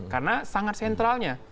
karena sangat sentralnya